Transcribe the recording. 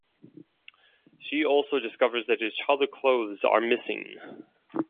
She also discovers that his childhood clothes are missing.